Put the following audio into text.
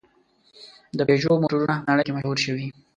د پيژو موټرونه په نړۍ کې مشهور شوي.